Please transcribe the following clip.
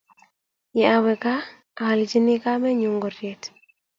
Ye awe kaa aaljini kamennyu ngoryet